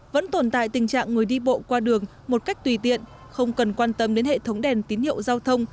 vẫn tồn tại tình trạng người đi bộ qua đường một cách tùy tiện không cần quan tâm đến hệ thống đèn tín hiệu giao thông